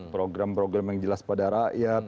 program program yang jelas pada rakyat